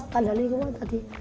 tanda lingkungan tadi